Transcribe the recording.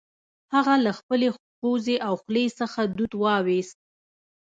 هغه له خپلې پوزې او خولې څخه دود وایوست